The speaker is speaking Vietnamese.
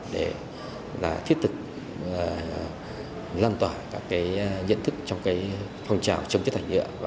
để thiết thực lan tỏa các kế hoạch